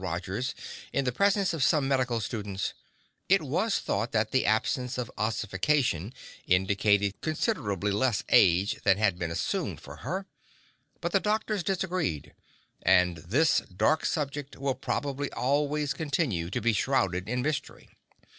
Rogers, in the presence of some medical students, it was thought that the absence of ossification indicated considerably less age than had been assumed for her; but the doctors disagreed, and this "dark subject" will probably always continue to be shrouded in mystery.